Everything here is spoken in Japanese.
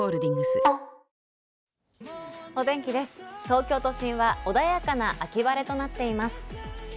東京都心は穏やかな秋晴れとなっています。